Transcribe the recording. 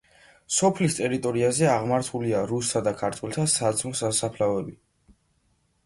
სოფლის ტერიტორიაზე აღმართულია რუსთა და ქართველთა საძმო სასაფლაოები.